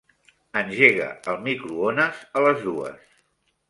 Engega el microones a les dues.